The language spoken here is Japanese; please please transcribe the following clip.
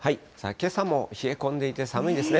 けさも冷え込んでいて寒いですね。